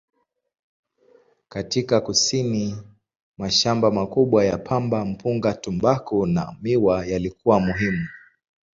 Katika kusini, mashamba makubwa ya pamba, mpunga, tumbaku na miwa yalikuwa muhimu.